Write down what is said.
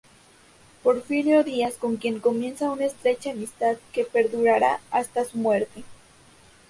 Porfirio Díaz con quien comienza una estrecha amistad que perdurará hasta su muerte.